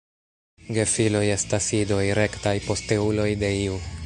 Gefiloj estas idoj, rektaj posteuloj de iu.